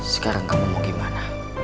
sekarang kamu mau gimana